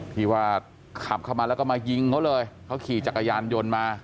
ที่ว่าขับเข้ามาแล้วก็มายิงเขาเลยเขาขี่จักรยานยนต์มา